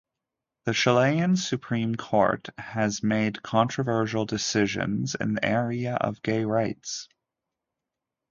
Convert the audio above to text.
The Chilean Supreme Court has made controversial decisions in the area of gay rights.